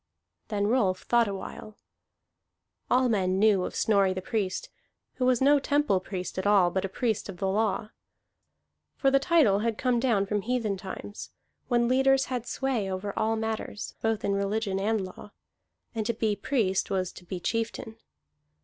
Then Rolf thought awhile. All men knew of Snorri the Priest, who was no temple priest at all but a priest of the law. For the title had come down from heathen times, when leaders had sway over all matters, both in religion and law, and to be priest was to be chieftain.